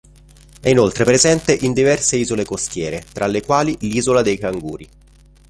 È inoltre presente in diverse isole costiere tra le quali l'isola dei Canguri.